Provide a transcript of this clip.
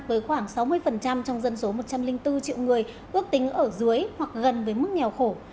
với khoảng sáu mươi trong dân số một trăm linh bốn triệu người ước tính ở dưới hoặc gần với mức nghèo khổ